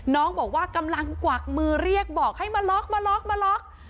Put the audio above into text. น้องบอกว่ากำลังกวักมือเรียกบอกให้มาล็อกมาล็อกมาล็อก